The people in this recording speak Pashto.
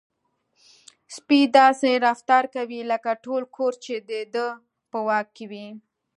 سپی داسې رفتار کوي لکه ټول کور چې د ده په واک کې وي.